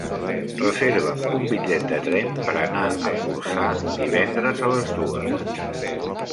Reserva'm un bitllet de tren per anar a Corçà divendres a les dues.